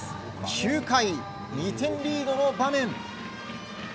９回、２点リードの場面。